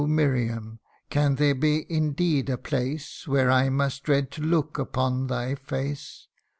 Miriam, can there be indeed a place Where I must dread to look upon thy face